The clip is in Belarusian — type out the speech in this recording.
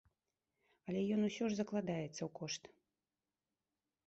Але ён усё ж закладаецца ў кошт.